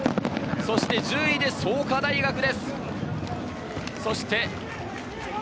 １０位で創価大学です。